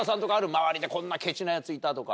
周りでこんなケチなヤツいたとか。